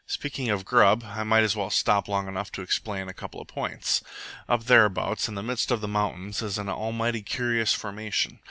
Speaking of grub, I might as well stop long enough to explain a couple of points. Up thereabouts, in the midst of the mountains, is an almighty curious formation.